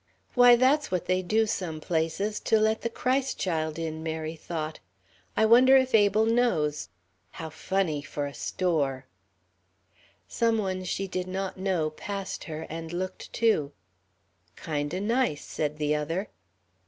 "Why, that's what they do, some places, to let the Christ child in," Mary thought. "I wonder if Abel knows. How funny for a store!" Some one whom she did not know passed her and looked too. "Kind o' nice," said the other.